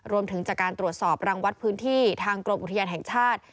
รวมถึงจากการตรวจสอบรังวัดพื้นที่ทางกรมอุทยานแห่งชาติ